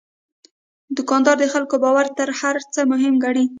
دوکاندار د خلکو باور تر هر څه مهم ګڼي.